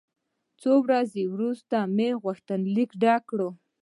څو ورځې وروسته مې غوښتنلیک ډک کړ.